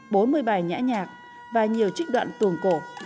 bốn mươi bài nhã nhạc và nhiều trích đoạn tuồng cổ